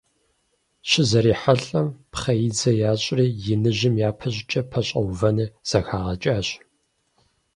ЩызэрихьэлӀэм, пхъэидзэ ящӀри, иныжьым япэ щӀыкӀэ пэщӀэувэныр зэхагъэкӀащ.